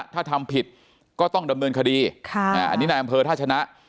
ถ้าทำผิดก็ต้องดำเนินคดีอันนี้นายอำเภอท่าชนะ